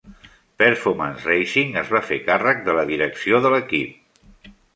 Performance Racing es va fer càrrec de la direcció de l'equip.